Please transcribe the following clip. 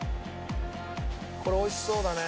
これおいしそうだね。